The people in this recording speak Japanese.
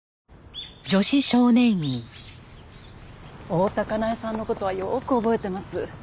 大多香苗さんの事はよく覚えてます。